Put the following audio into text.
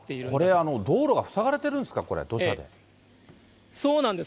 うわー、これ、道路が塞がれてるんですか、土砂で。